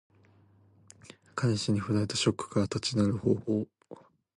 彼氏に振られたショックから立ち直る方法。